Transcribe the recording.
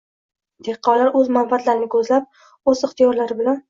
Dehqonlar o‘z manfaatlarini ko‘zlab, o‘z ixtiyorlari bilan